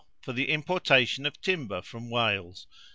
For the importation of timber from Wales.